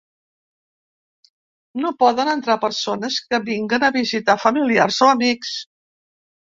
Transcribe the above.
No poden entrar persones que vinguen a visitar familiars o amics.